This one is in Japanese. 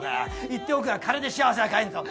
言っておくが金で幸せは買えんぞ。